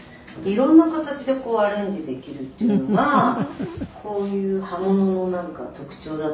「色んな形でアレンジできるっていうのがこういう葉もののなんか特徴だと思って」